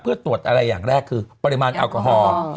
เพื่อตรวจอะไรอย่างแรกคือปริมาณแอลกอฮอล์